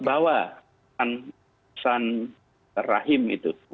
bawa pesan rahim itu